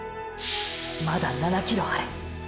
まだ７ｋｍある。